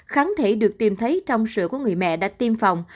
kháng thể được tìm thấy trong sữa của người mẹ đã tiêm phòng